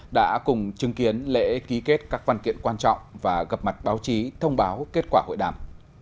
đã cùng chứng kiến lễ ký kết các văn kiện quan trọng và gặp mặt báo chí thông báo kết quả hội đàm